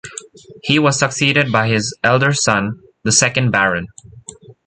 He was succeeded by his elder son, the second Baron.